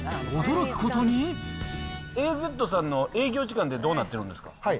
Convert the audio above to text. ＡーＺさんの営業時間ってどうなってるんですか？